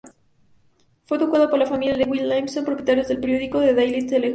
Fue educado por la familia Levy-Lawson, propietarios del periódico, "The Daily Telegraph".